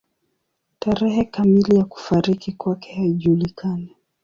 Tarehe kamili ya kufariki kwake haijulikani.